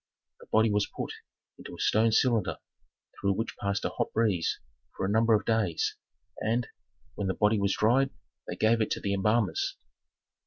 The body was put into a stone cylinder through which passed a hot breeze for a number of days, and, when the body was dried they gave it to the embalmers.